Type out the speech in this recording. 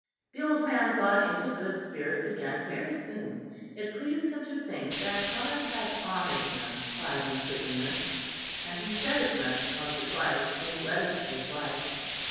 The old man got into good spirits again very soon. It pleased him to think that God had honoured him by imprisonment; and he said as much once or twice in his letters to his wife.